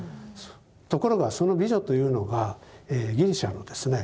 ところがその美女というのがギリシャのですね